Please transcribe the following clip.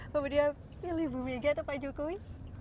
kemudian pilih bu mega atau pak jokowi